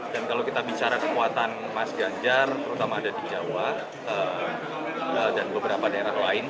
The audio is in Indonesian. dan kalau kita bicara kekuatan mas ganjar terutama ada di jawa dan beberapa daerah lain